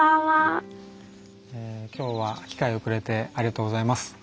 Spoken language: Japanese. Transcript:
今日は機会をくれてありがとうございます。